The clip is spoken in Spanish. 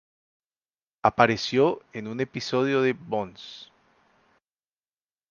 Apareció en un episodio de "Bones".